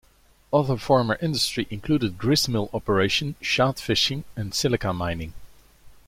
Other former industry included grist mill operations, shad fishing, and silica mining.